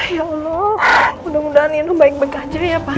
ya allah mudah mudahan yanu baik baik aja ya pak